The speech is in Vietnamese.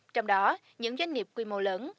trong đó những doanh nghiệp quy mô lớn